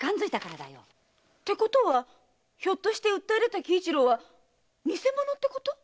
ってことはひょっとして訴え出た喜一郎はにせ者かも？